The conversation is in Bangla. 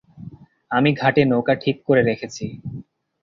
আমি ঘাটে নৌকা ঠিক করে রেখেছি।